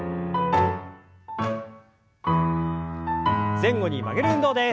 前後に曲げる運動です。